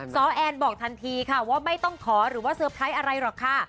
ซแอนบอกทันทีค่ะว่าไม่ต้องขอหรือว่าเซอร์ไพรส์อะไรหรอกค่ะ